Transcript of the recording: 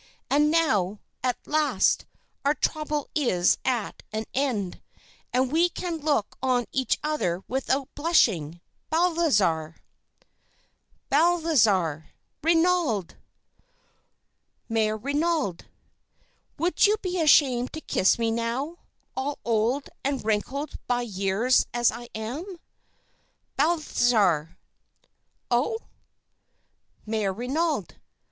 And now, at last, our trouble is at an end, and we can look on each other without blushing. Balthazar! "BALTHAZAR. "Renaud! "MÈRE RENAUD. "Would you be ashamed to kiss me now, all old and wrinkled by years as I am? "BALTHAZAR. "Oh! "MÈRE RENAUD.